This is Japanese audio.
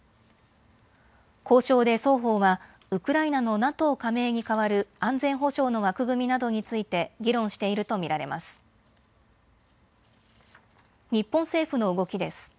交渉で双方はウクライナのＮＡＴＯ加盟に代わる安全保障の枠組みなどについて議論していると見られます。